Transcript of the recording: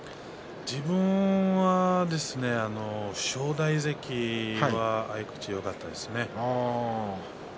自分は正代関は合い口は、よかったです。